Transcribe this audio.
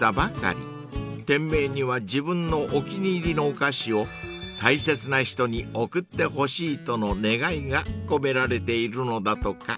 ［店名には自分のお気に入りのお菓子を大切な人に贈ってほしいとの願いが込められているのだとか］